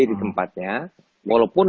di tempatnya walaupun